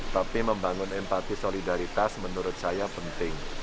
tapi membangun empati solidaritas menurut saya penting